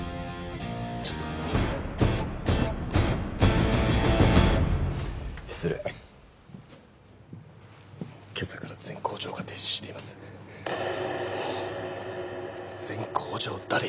ちょっと失礼けさから全工場が停止していますはっ？